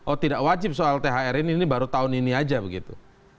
oh tidak wajib soal thr ini ini baru tahun ini aja begitu